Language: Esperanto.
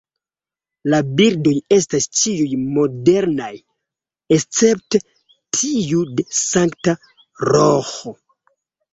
La bildoj estas ĉiuj modernaj escepte tiu de Sankta Roĥo.